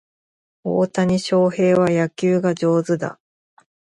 大谷翔平は野球が上手だ